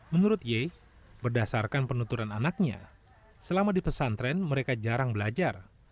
menurut y berdasarkan penuturan anaknya selama di pesantren mereka jarang belajar